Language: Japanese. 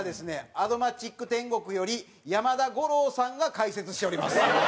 『アド街ック天国』より山田五郎さんが解説しております。